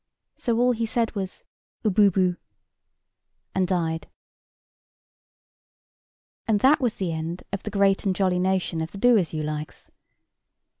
So all he said was "Ubboboo!" and died. [Picture: Ape] And that was the end of the great and jolly nation of the Doasyoulikes.